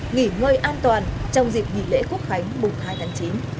nghỉ ngơi an toàn trong dịp nghỉ lễ quốc khánh mùng hai tháng chín